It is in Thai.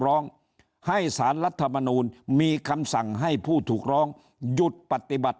ร้องให้สารรัฐมนูลมีคำสั่งให้ผู้ถูกร้องหยุดปฏิบัติ